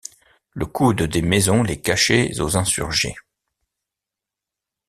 Le coude des maisons les cachait aux insurgés.